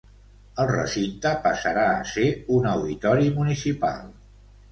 El recinte passarà a ser un auditori municipal.